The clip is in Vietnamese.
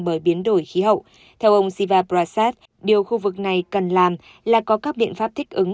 bởi biến đổi khí hậu theo ông siva prasat điều khu vực này cần làm là có các biện pháp thích ứng